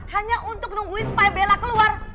hanya untuk nungguin supaya bella keluar